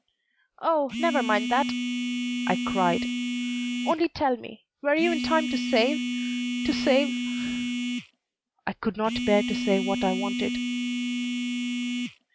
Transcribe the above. "Oh, never mind that!" I cried: "only tell me, were you in time to save to save " I could not bear to say what I wanted.